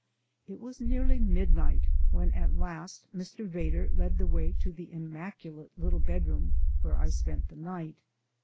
It was nearly midnight when at last Mr. Vedder led the way to the immaculate little bedroom where I spent the night.